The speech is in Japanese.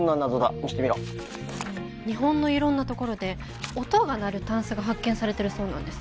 見してみろ日本のいろんなところで音が鳴るタンスが発見されてるそうなんです